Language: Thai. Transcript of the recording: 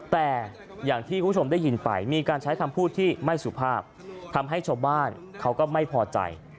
แต่อย่างที่คุณผู้ชมได้ยินไปมีการใช้คำพูดที่ไม่สุภาพทำให้ชาวบ้านเขาก็ไม่พอใจ